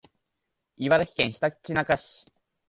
茨城県ひたちなか市